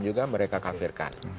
juga mereka kafirkan